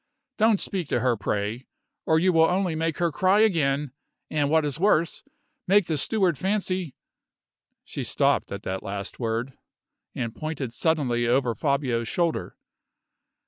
Don't speak to her, pray, or you will only make her cry again; and what is worse, make the steward fancy " She stopped at that last word, and pointed suddenly over Fabio's shoulder.